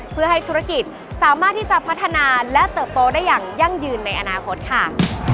เพื่อให้ธุรกิจสามารถที่จะพัฒนาและเติบโตได้อย่างยั่งยืนในอนาคตค่ะ